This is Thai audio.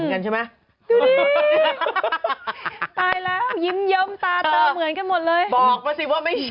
ส่วนเจ้าคนเล็กภายุก็หน้าเหมือนพ่อเด๊ะ